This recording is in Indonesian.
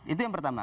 itu yang pertama